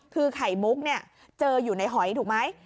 คือไข่มุกเนี่ยเจออยู่ในหอยถูกไหม